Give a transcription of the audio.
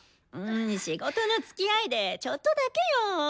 仕事のつきあいでちょっとだけよ。